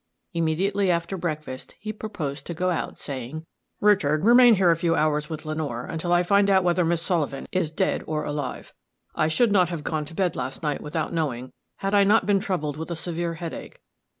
Immediately after breakfast, he proposed to go out, saying, "Richard, remain here a couple of hours with Lenore, until I find out whether Miss Sullivan is dead or alive. I should not have gone to bed last night without knowing, had I not been troubled with a severe headache.